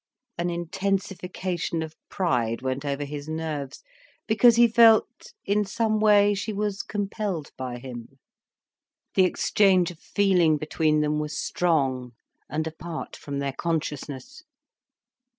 An intensification of pride went over his nerves, because he felt, in some way she was compelled by him. The exchange of feeling between them was strong and apart from their consciousness.